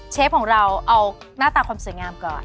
เชฟของเราเอาหน้าตาความสวยงามก่อน